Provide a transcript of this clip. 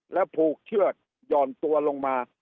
แล้วผูกเชือกหย่อนตัวลงมา